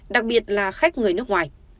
đặc biệt là khách người nước ngoài